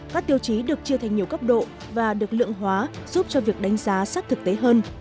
các tiêu chí được chia thành nhiều cấp độ và được lượng hóa giúp cho việc đánh giá sát thực tế hơn